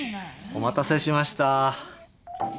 お待たせしました。